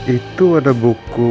itu ada buku